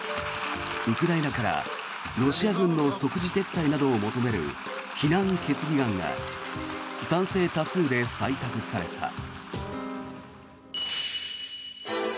ウクライナからロシア軍の即時撤退などを求める非難決議案が賛成多数で採択された。